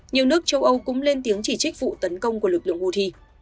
nhiều nước châu âu cũng lên tiếng chỉ trích vụ tấn công của lực lượng houthi